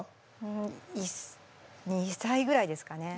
うん１２歳ぐらいですかね。